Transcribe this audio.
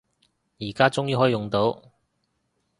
而家終於可以用到